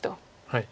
はい。